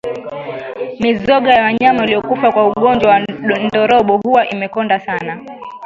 Mizoga ya wanyama waliokufa kwa ugonjwa wa ndorobo huwa imekonda sana